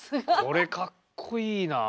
これかっこいいなあ。